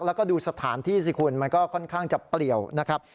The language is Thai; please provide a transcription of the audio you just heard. แล้วก็ดูสถานที่สิคุณมันก็ค่อนข้างจะเปลี่ยวนะครับ